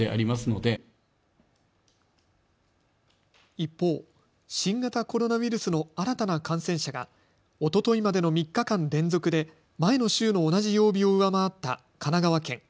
一方、新型コロナウイルスの新たな感染者がおとといまでの３日間連続で前の週の同じ曜日を上回った神奈川県。